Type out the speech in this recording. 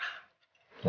terima kasih pak